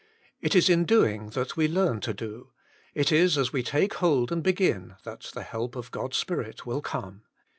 It is in doing that we learn to do ; it is as we take hold and begin that the help of God s Spirit will come.